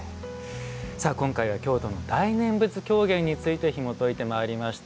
今回は京都の大念仏狂言についてひもといてまいりました。